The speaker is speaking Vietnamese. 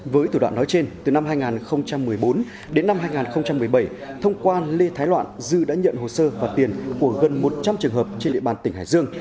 với thủ đoạn nói trên từ năm hai nghìn một mươi bốn đến năm hai nghìn một mươi bảy thông quan lê thái loạn dư đã nhận hồ sơ và tiền của gần một trăm linh trường hợp trên địa bàn tỉnh hải dương